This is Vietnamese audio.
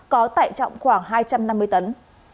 có tải trọng khoảng hai trăm năm mươi tấn